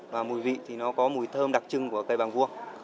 và mùi vị thì nó có mùi thơm đặc trưng của cây bảng vuông